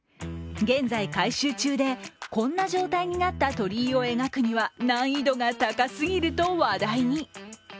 現在改修中で、こんな状態になった鳥居を描くには難易度が高すぎると話題に。